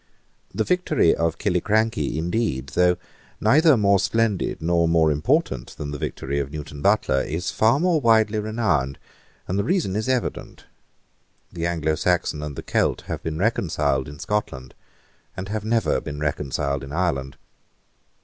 The victory of Killiecrankie indeed, though neither more splendid nor more important than the victory of Newton Butler, is far more widely renowned; and the reason is evident. The Anglosaxon and the Celt have been reconciled in Scotland, and have never been reconciled in Ireland.